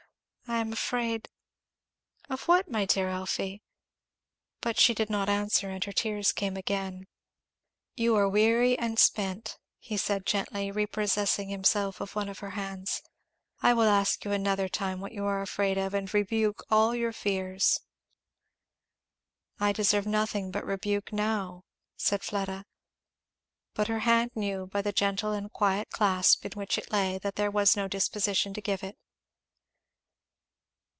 I am afraid " "Of what, my dear Elfie?" But she did not answer, and her tears came again. "You are weary and spent," he said gently, repossessing himself of one of her hands. "I will ask you another time what you are afraid of, and rebuke all your fears." "I deserve nothing but rebuke now," said Fleda. But her hand knew, by the gentle and quiet clasp in which it lay, that there was no disposition to give it.